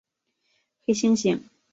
黑猩猩。